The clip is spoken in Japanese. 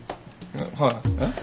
はいえっ？